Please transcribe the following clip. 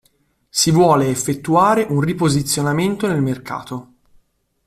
Si vuole effettuare un riposizionamento nel mercato.